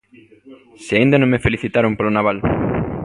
¡Se aínda non me felicitaron polo naval!